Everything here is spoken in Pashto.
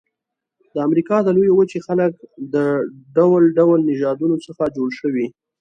د امریکا د لویې وچې خلک د ډول ډول نژادونو څخه جوړ شوي.